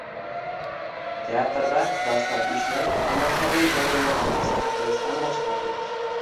teatrda dastlab ishni tomoshabin o‘rindig‘ini qisqartirishdan boshladik.